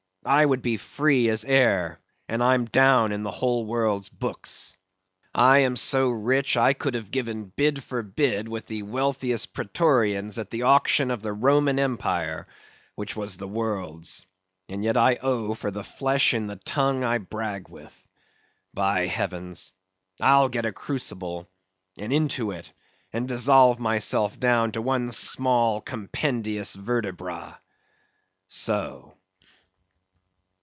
I would be free as air; and I'm down in the whole world's books. I am so rich, I could have given bid for bid with the wealthiest Prætorians at the auction of the Roman empire (which was the world's); and yet I owe for the flesh in the tongue I brag with. By heavens! I'll get a crucible, and into it, and dissolve myself down to one small, compendious vertebra. So.